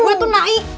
gue tuh naik